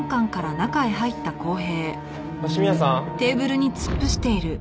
鷲宮さん？